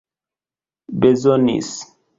bezonis